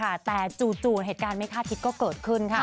ค่ะแต่จู่เหตุการณ์ไม่คาดคิดก็เกิดขึ้นค่ะ